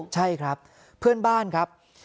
ใช่ครับเพื่อนบ้านครับ